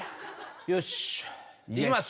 よしいきます。